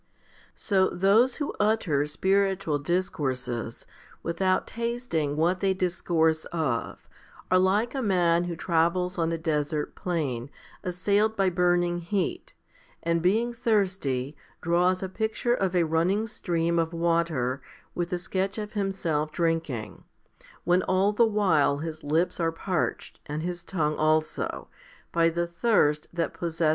12. So those who utter spiritual discourses, without tasting what they discourse of, are like a man who travels on a desert plain, assailed by burning heat, and being thirsty, draws a picture of a running stream of water, with a sketch of himself drinking, when all the while his lips are parched, and his tongue also, by the thirst that possesses 1 2 Cor.